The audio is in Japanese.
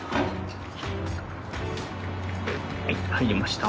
はい入りました。